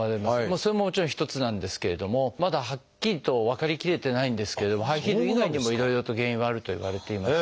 それももちろん一つなんですけれどもまだはっきりと分かりきれてないんですけれどもハイヒール以外にもいろいろと原因はあるといわれています。